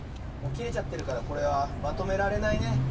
きれちゃってるからこれはまとめられないね。